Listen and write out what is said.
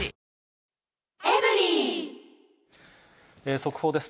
速報です。